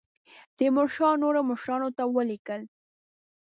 تیمورشاه نورو مشرانو ته ولیکل.